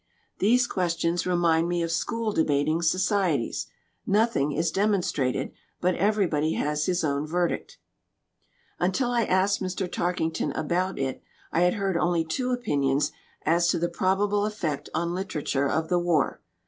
These questions remind me of school debating societies. Nothing is demonstrated, but everybody has his own verdict." Until I asked Mr. Tarkington about it I had heard only two opinions as to the probable effect on literature of the war.